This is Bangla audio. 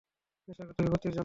পেশাগত বিপত্তির জন্য।